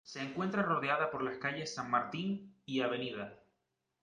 Se encuentra rodeada por las calles "San Martín" y "Av.